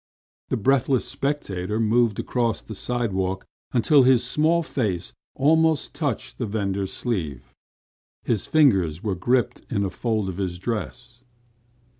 The breathless spectator moved across the sidewalk until his small face almost touched the vendor's sleeve. His fingers were gripped in a fold of his dress.